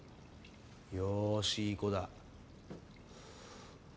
よしいい子だ。